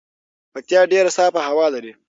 پکتيا ډیره صافه هوا لري